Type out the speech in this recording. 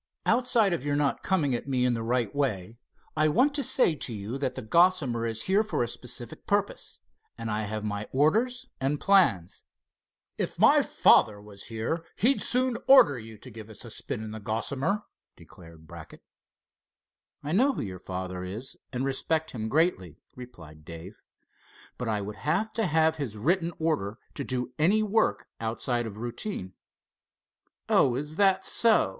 Outside of your not coming at me in the right way, I want to say to you that the Gossamer is here for a specific purpose, and I have my orders and plans." "If my father was here, he'd soon order you to give us a spin in the Gossamer," declared Brackett. "I know who your father is, and respect him greatly," replied Dave, "but I would have to have his written order to do any work outside of routine." "Oh, is that so!"